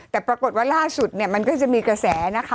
แต่ปรากฏว่าล่าสุดเนี่ยมันก็จะมีกระแสนะคะ